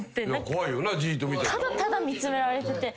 ただただ見つめられてて。